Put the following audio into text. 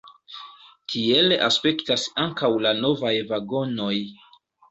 Tiel aspektas ankaŭ la novaj vagonoj.